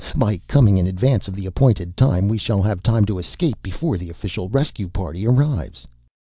By coming in advance of the appointed time we shall have time to escape before the official rescue party arrives."